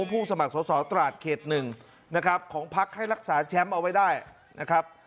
ผู้สมัครสอสอตราดเขต๑นะครับของพักให้รักษาแชมป์เอาไว้ได้นะครับ